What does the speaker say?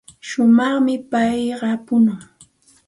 Shumaqmi payqa punukun.